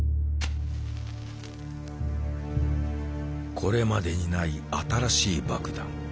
これまでにない新しい爆弾。